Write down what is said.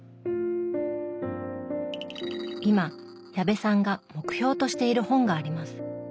今矢部さんが目標としている本があります。